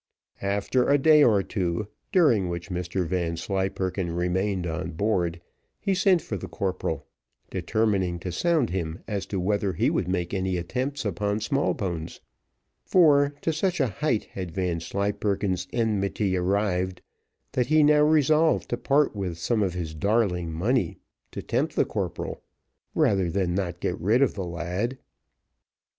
After a day or two, during which Mr Vanslyperken remained on board, he sent for the corporal, determining to sound him as to whether he would make any attempts upon Smallbones; for to such a height had Vanslyperken's enmity arrived, that he now resolved to part with some of his darling money, to tempt the corporal, rather than not get rid of the lad.